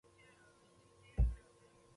په لوړ او واضح غږ وایي ملګری ستالین.